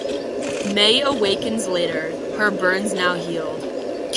Mae awakens later, her burns now healed.